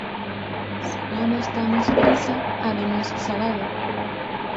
Si no nos damos prisa, haremos salado.